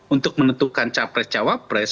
untuk menentukan capres capapres